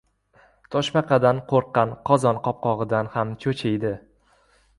• Toshbaqadan qo‘rqqan qozon qopqog‘idan ham cho‘chiydi.